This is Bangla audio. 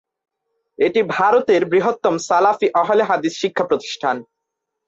এটি ভারতের বৃহত্তম সালাফি আহলে হাদিস শিক্ষা প্রতিষ্ঠান।